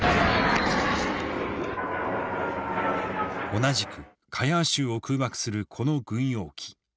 同じくカヤー州を空爆するこの軍用機。